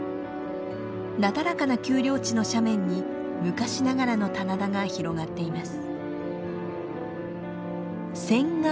なだらかな丘陵地の斜面に昔ながらの棚田が広がっています。